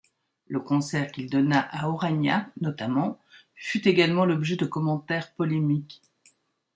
Le concert qu'il donna à Orania notamment fut également l'objet de commentaires polémiques.